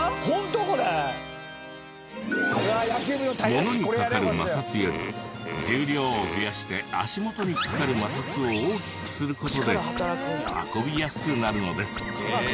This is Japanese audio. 物にかかる摩擦より重量を増やして足元にかかる摩擦を大きくする事で運びやすくなるのです。